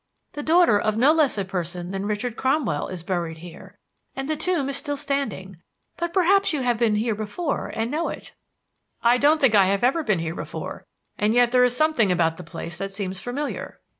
The daughter of no less a person than Richard Cromwell is buried here; the tomb is still standing but perhaps you have been here before, and know it." "I don't think I have ever been here before; and yet there is something about the place that seems familiar."